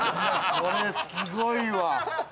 これすごいわ。